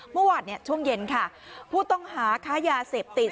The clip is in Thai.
เมื่อวานช่วงเย็นค่ะผู้ต้องหาค้ายาเสพติด